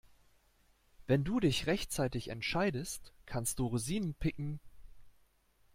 Wenn du dich rechtzeitig entscheidest, kannst du Rosinen picken.